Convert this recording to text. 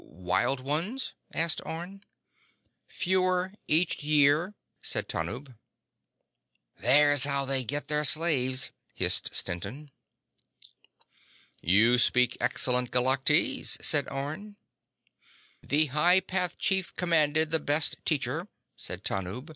wild ones?" asked Orne. "Fewer each year," said Tanub. "There's how they get their slaves," hissed Stetson. "You speak excellent Galactese," said Orne. "The High Path Chief commanded the best teacher," said Tanub.